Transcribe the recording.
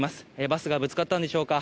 バスがぶつかったんでしょうか。